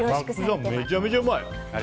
松木さん、めちゃめちゃうまい。